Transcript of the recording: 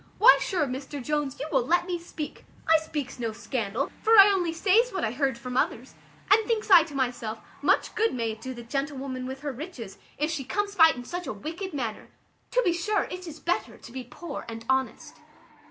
why sure, Mr Jones, you will let me speak; I speaks no scandal, for I only says what I heard from others and thinks I to myself, much good may it do the gentlewoman with her riches, if she comes by it in such a wicked manner. To be sure it is better to be poor and honest."